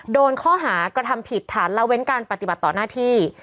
โดนข้อหากระทำผิดฐานละเว้นการปฏิบัติต่อหน้าที่